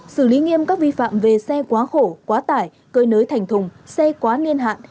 xử lý nghiêm các vi phạm về xe quá khổ quá tải cơi nới thành thùng xe quá niên hạn